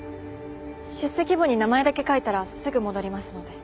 出席簿に名前だけ書いたらすぐ戻りますので。